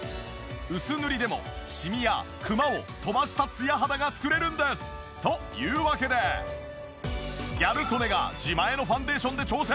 薄塗りでもシミやクマを飛ばしたツヤ肌が作れるんです！というわけでギャル曽根が自前のファンデーションで挑戦。